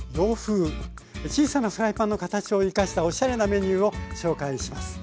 小さなフライパンの形を生かしたおしゃれなメニューを紹介します。